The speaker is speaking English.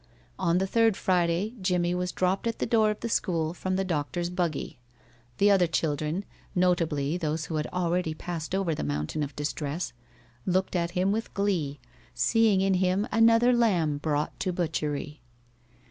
On the third Friday Jimmie was dropped at the door of the school from the doctor's buggy. The other children, notably those who had already passed over the mountain of distress, looked at him with glee, seeing in him another lamb brought to butchery.